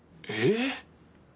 えっ？